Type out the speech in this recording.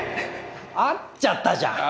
合っちゃったじゃん。